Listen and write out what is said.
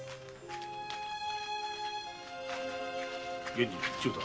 源次忠太